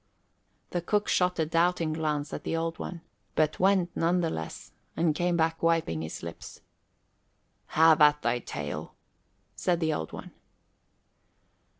The cook shot a doubting glance at the Old One, but went none the less, and came back wiping his lips. "Have at thy tale," said the Old One.